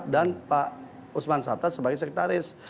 dan pak usman sabta sebagai sekretaris